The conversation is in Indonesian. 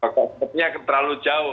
pokoknya terlalu jauh